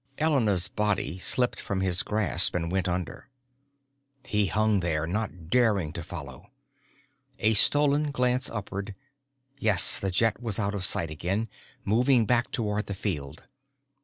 Elena's body slipped from his grasp and went under. He hung there, not daring to follow. A stolen glance upward yes, the jet was out of sight again, moving back toward the field.